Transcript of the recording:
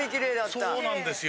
そうなんですよ